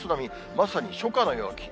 まさに初夏の陽気。